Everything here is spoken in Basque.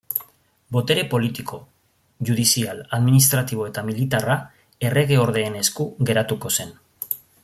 Botere politiko, judizial, administratibo eta militarra erregeordeen esku geratuko zen.